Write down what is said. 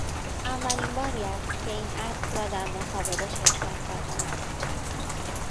اولین باری است که این اسب را در مسابقه شرکت دادهام.